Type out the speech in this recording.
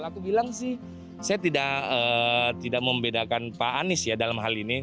aku bilang sih saya tidak membedakan pak anies ya dalam hal ini